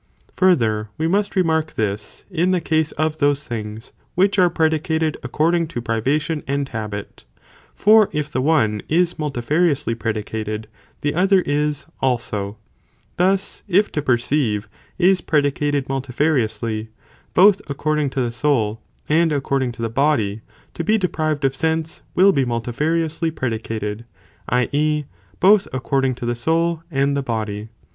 7. Casesof pri. . Further, we must remark this, in the case of vetion 5888: those things, which are predicated according to Ι privation and habit; for if the one, is multifari ously predicated, the other is, also; thus, if to perceive, is pre dicated multifariously, both according to the soul and accord ing to the body, to be deprived of sense, will be multifariously predicated, i. e. both according to the soul and the body.